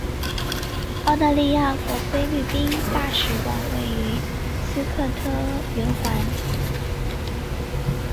澳大利亚和菲律宾大使馆位于斯科特圆环。